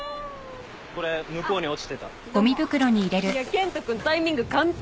健人君タイミング完璧。